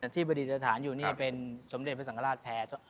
ที่ประดิษฐานอยู่นี่เป็นสมเด็จพระสังฆราชแพ้